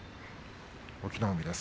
隠岐の海です。